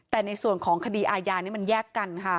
แต่ในส่วนของคดีอาญานี้มันแยกกันค่ะ